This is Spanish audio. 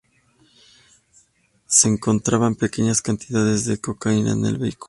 Se encontraron pequeñas cantidades de cocaína en el vehículo.